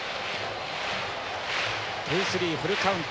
ツースリーフルカウント。